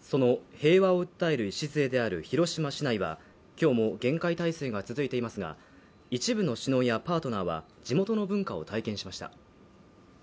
その平和を訴える礎である広島市内は今日も厳戒態勢が続いていますが、一部の首脳やパートナーは地元の文化を体験しました。